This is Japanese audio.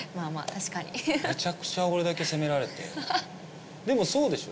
確かにめちゃくちゃ俺だけ責められてでもそうでしょ？